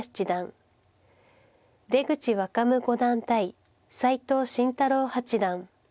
出口若武五段対斎藤慎太郎八段。